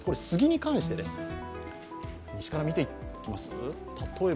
スギに関してです。